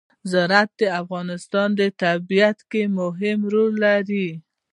زراعت د افغانستان په طبیعت کې مهم رول لري.